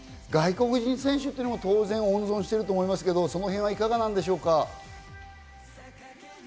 外国人選手も当然、温存してると思いますけれど、そのへんはいかがでしょうか？